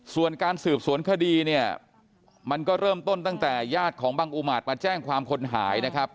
ส่วนการสืบสวนคดีเนี่ยมันก็เริ่มต้นตั้งแต่ญาติของบังอุมาตรมาแจ้งความคนหายนะครับ